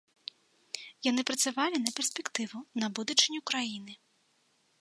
Яны працавалі на перспектыву, на будучыню краіны.